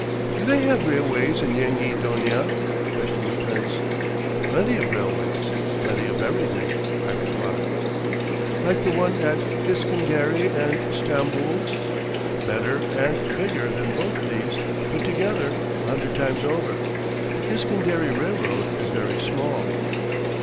"Do they have railways in Yenghi Donia?" questioned the Prince. "Plenty of railways; plenty of everything," I reply. "Like the one at Iskenderi and Stamboul?" "Better and bigger than both these put together a hundred times over; the Iskenderi railroad is very small."